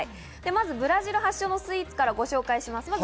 ブラジル発祥のスイーツからご紹介します。